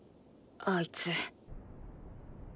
あいつ。